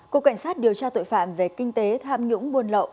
cục cảnh sát điều tra tội phạm về kinh tế tham nhũng buôn lậu